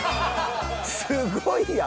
すごいやん！